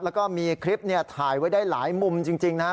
แล้วก็มีคลิปถ่ายไว้ได้หลายมุมจริงนะครับ